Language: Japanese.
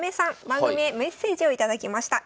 番組へメッセージを頂きました。